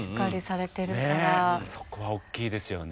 そこは大きいですよね。